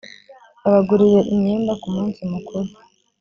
yabaguriye imyenda ku munsi mukuru .